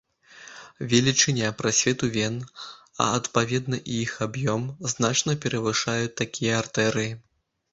Велічыня прасвету вен, а адпаведна і іх аб'ём, значна перавышаюць такія артэрый.